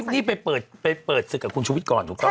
นี่ไปเปิดศึกกับคุณชุวิตก่อนถูกต้อง